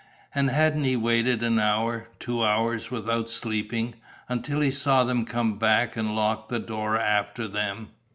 And hadn't he waited an hour, two hours, without sleeping, until he saw them come back and lock the door after them?